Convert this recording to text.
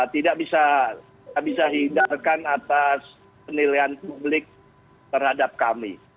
tidak bisa hindarkan atas penilaian publik terhadap kami